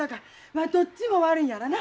まどっちも悪いんやらな。